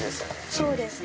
そうですね